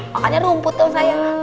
makanya rumput dong saya